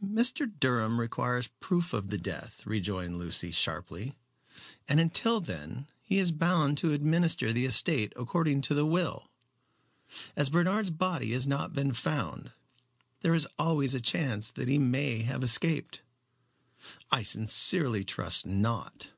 "Mr. Durham requires proof of the death," rejoined Lucy, sharply; "and until then, he is bound to administer the estate according to the will. As Bernard's body has not been found, there is always a chance that he may have escaped." "I sincerely trust not."